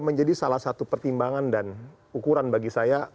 menjadi salah satu pertimbangan dan ukuran bagi saya